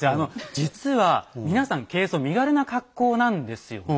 実は皆さん軽装身軽な格好なんですよね。